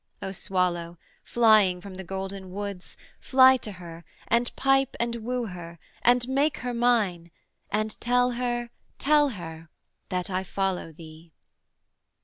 'O Swallow, flying from the golden woods, Fly to her, and pipe and woo her, and make her mine, And tell her, tell her, that I follow thee.'